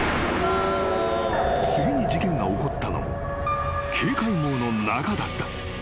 ［次に事件が起こったのも警戒網の中だった］